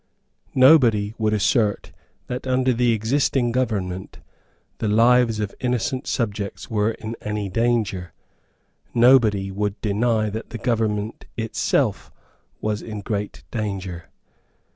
Nobody would assert that, under the existing government, the lives of innocent subjects were in any danger. Nobody would deny that the government itself was in great danger.